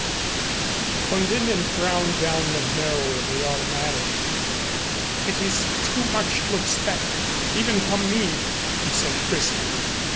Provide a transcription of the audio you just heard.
Von Winden frowned down the barrel of the automatic. "It is too much to expect even from me," he said crisply.